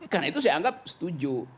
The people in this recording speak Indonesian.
karena itu saya anggap setuju